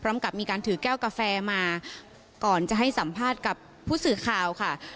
พร้อมกับมีการถือก้าวกาแฟมาก่อนจะให้สัมภาษณ์กับผู้สื่อข่าวครับ